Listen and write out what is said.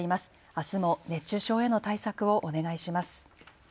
あすも熱中症への対策をお願いします。